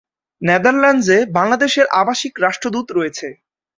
নেদারল্যান্ডসে বাংলাদেশের আবাসিক রাষ্ট্রদূত রয়েছে।